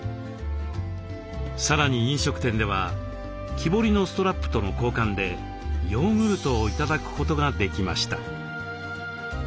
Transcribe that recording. さらに飲食店では木彫りのストラップとの交換でヨーグルトを頂くことができました。